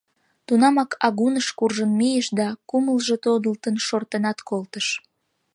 Тунамак агуныш куржын мийыш да, кумылжо тодылтын, шортынат колтыш...